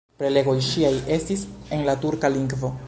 Prelegoj ŝiaj estis en la turka lingvo.